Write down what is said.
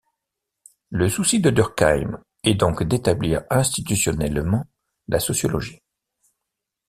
Le souci de Durkheim est donc d’établir institutionnellement la sociologie.